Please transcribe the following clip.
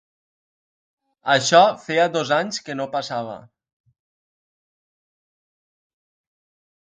Això feia dos anys que no passava.